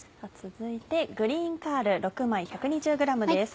続いてグリーンカール６枚１２０ｇです。